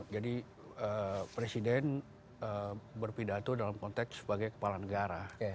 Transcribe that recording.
jadi presiden berpidato dalam konteks sebagai kepala negara